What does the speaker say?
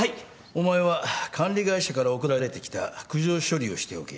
お前は管理会社から送られてきた苦情処理をしておけ。